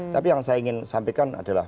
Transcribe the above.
tapi yang saya ingin sampaikan adalah